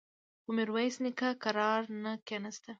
خو ميرويس نيکه کرار نه کېناسته.